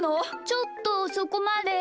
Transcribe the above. ちょっとそこまで。